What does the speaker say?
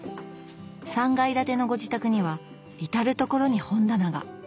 ３階建てのご自宅には至る所に本棚が。